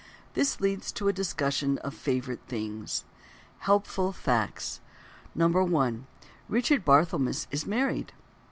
This leads to a discussion of: Favorite Things. Helpful Facts: 1. Richard Barthelmess is married.